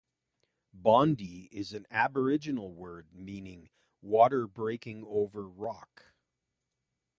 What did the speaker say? Bondi is an Aboriginal word meaning "water breaking over rock".